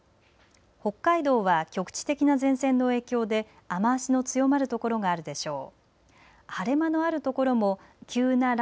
北海道は局地的な前線の影響で雨足の強まる所があるでしょう。